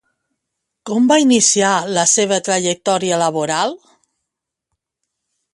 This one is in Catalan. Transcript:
Com va iniciar la seva trajectòria laboral?